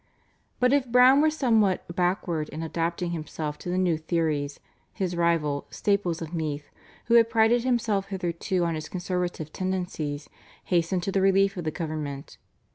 But if Browne were somewhat backward in adapting himself to the new theories, his rival, Staples of Meath, who had prided himself hitherto on his conservative tendencies, hastened to the relief of the government.